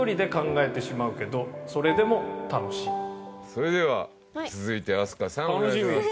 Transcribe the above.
それでは続いて飛鳥さんお願いします。